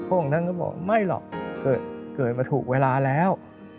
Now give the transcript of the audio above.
องค์ท่านก็บอกไม่หรอกเกิดมาถูกเวลาแล้ว